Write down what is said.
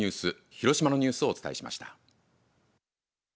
広島のニュースをお伝えしました。